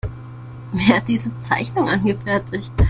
Wer hat diese Zeichnung angefertigt?